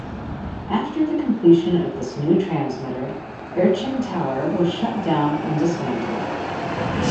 After the completion of this new transmitter, Erching tower was shut down and dismantled.